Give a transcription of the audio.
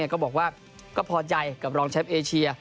ก็บอกว่าก็พอใจกับรองแชมป์เอเชีย